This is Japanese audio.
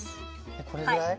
これぐらい？